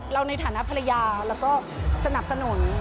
ในฐานะภรรยาแล้วก็สนับสนุน